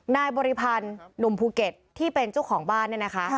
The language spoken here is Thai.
บริพันธ์หนุ่มภูเก็ตที่เป็นเจ้าของบ้านเนี่ยนะคะ